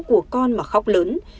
của con mà khóc lớn